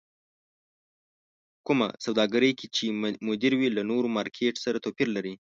کومه سوداګرۍ کې چې مدير وي له نور مارکېټ سره توپير لري.